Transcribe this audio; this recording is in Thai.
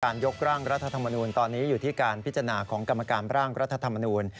ยกร่างรัฐธรรมนูลตอนนี้อยู่ที่การพิจารณาของกรรมการร่างรัฐธรรมนูล